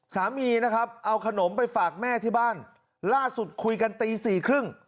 สามีนะครับเอาขนมไปฝากแม่ที่บ้านล่าสุดคุยกันตีสี่ครึ่ง